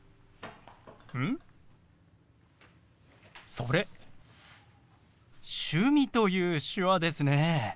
それ「趣味」という手話ですね。